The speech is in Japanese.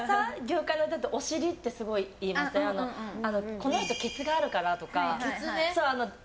この人、ケツがあるからとか。